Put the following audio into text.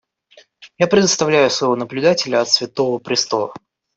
Я предоставляю слово наблюдателю от Святого Престола.